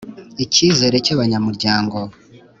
Icyizere cy’abanyamuryango.